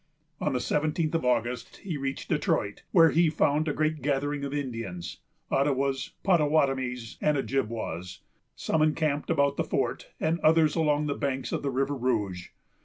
On the seventeenth of August, he reached Detroit, where he found a great gathering of Indians, Ottawas, Pottawattamies, and Ojibwas; some encamped about the fort, and others along the banks of the River Rouge.